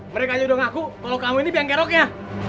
mereka aja udah ngaku kalau kamu ini biangeroknya